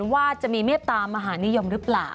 ว่าจะมีเมตตามหานิยมหรือเปล่า